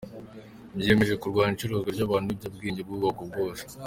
Biyemeje kurwanya icuruzwa ry’abantu n’ibiyobyabwenge by’ubwoko bwose.